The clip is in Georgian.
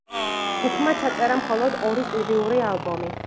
ჯგუფმა ჩაწერა მხოლოდ ორი სტუდიური ალბომი.